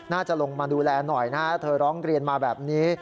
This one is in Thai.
น่าจะลงมาดูแลหน่อยนะฮะเธอร้องเรียนมาแบบนี้